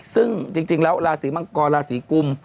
ซึ่งจริงแล้วราศีมังกรราศีกุม